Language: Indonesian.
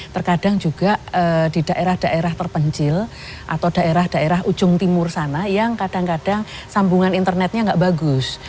terkadang juga di daerah daerah terpencil atau daerah daerah ujung timur sana yang kadang kadang sambungan internetnya nggak bagus